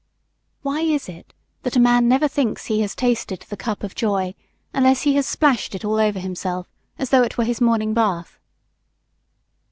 Why is it that a man never thinks he has tasted the cup of joy unless he has splashed it all over himself, as though it were his morning bath?